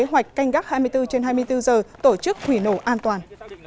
trong tình gác hai mươi bốn h trên hai mươi bốn h tổ chức thủy nổ an toàn